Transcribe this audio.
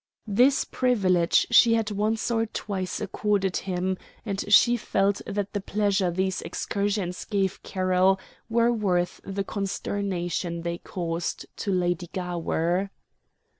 This privilege she had once or twice accorded him, and she felt that the pleasure these excursions gave Carroll were worth the consternation they caused to Lady Gower.